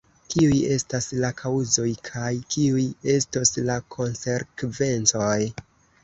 Kiuj estas la kaŭzoj kaj kiuj estos la konsekvencoj?